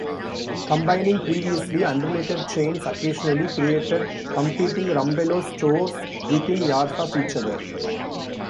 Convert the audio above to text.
Combining previously unrelated chains occasionally created competing Rumbelows stores within yards of each other.